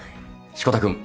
志子田君